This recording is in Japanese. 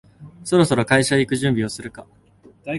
そろそろ会社へ行く準備をするか